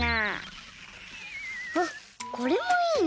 あっこれもいいね。